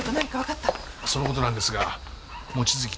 その事なんですが望月友也